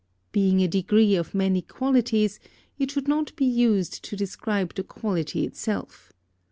Being a degree of many qualities, it should not be used to describe the quality itself.